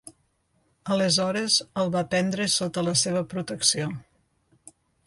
Aleshores, el va prendre sota la seva protecció.